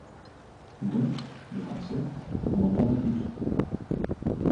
Donc, des Français, on en prendrait plus.